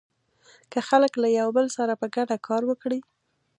که خلک له يو بل سره په ګډه کار وکړي.